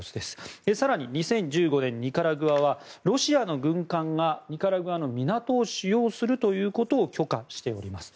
２０１５年に、ニカラグアはロシアの軍艦がニカラグアの港を使用するということを許可しております。